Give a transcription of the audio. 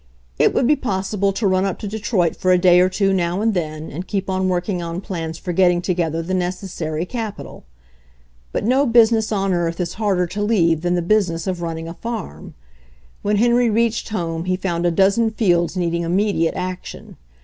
It would be possible to run up to Detroit for a day or two now and then, and keep on working on plans for getting together the necessary capital. But no business on earth is harder to leave than the business of running a farm. When Henry reached home he found a dozen fields needing immediate action.